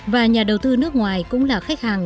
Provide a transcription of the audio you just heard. và nhà đầu tư nước ngoài cũng là khách hàng